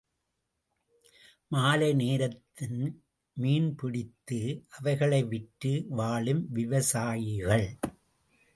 மாலை நேரத்தில் மீன் பிடித்து, அவைகளை விற்று வாழும் விவசாயிகள்.